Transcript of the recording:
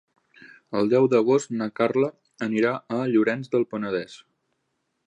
El deu d'agost na Carla anirà a Llorenç del Penedès.